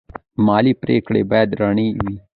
مالي پریکړې باید رڼې وي.